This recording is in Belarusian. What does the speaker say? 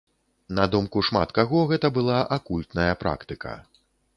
На думку шмат каго, гэта была акультная практыка.